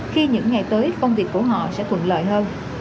khi những ngày tới công việc của họ sẽ thuận lợi hơn